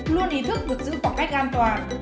hai luôn ý thức được giữ tỏa cách an toàn